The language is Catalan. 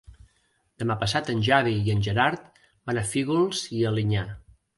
Demà passat en Xavi i en Gerard van a Fígols i Alinyà.